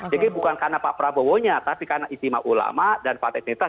jadi bukan karena pak prabowo nya tapi karena istimewa ulama dan fakta integritas